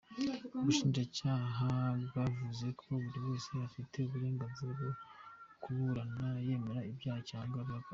Ubushinjacyaha bwavuze ko buri wese afite uburengnzira bwo kuburana yemera ibyaha cyangwa abihakana.